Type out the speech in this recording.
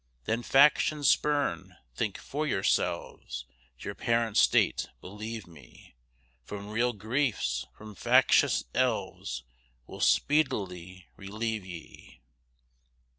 Then faction spurn! think for yourselves! Your parent state, believe me, From real griefs, from factious elves, Will speedily relieve ye.